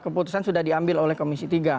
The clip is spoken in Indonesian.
keputusan sudah diambil oleh komisi tiga